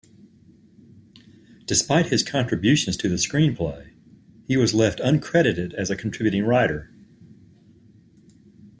Despite his contributions to the screenplay, he was left uncredited as a contributing writer.